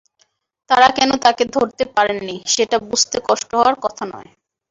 তাঁরা কেন তাঁকে ধরতে পারেননি, সেটা বুঝতে কষ্ট হওয়ার কথা নয়।